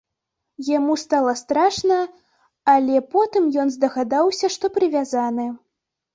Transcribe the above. Яму стала страшна, але потым ён здагадаўся, што прывязаны.